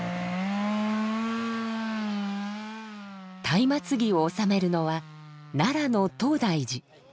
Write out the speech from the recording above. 松明木を納めるのは奈良の東大寺。